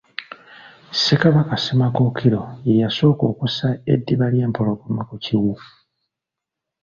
Ssekabaka Ssemakookiro ye yasooka okussa eddiba ly’empologoma ku kiwu.